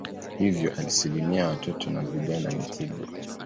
Hivyo asilimia ya watoto na vijana ni kubwa.